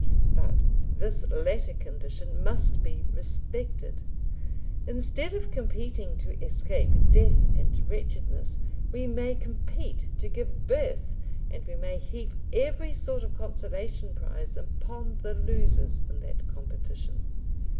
But this latter condition must be respected. Instead of competing to escape death and wretchedness, we may compete to give birth and we may heap every sort of consolation prize upon the losers in that competition.